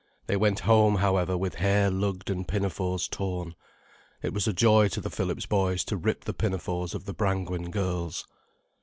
They went home, however, with hair lugged and pinafores torn. It was a joy to the Phillips boys to rip the pinafores of the Brangwen girls.